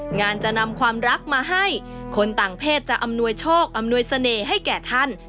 งานจะนำความรักมาให้คนต่างเพศจะอำนวยโชคอำนวยเสน่ห์ให้แก่ท่าน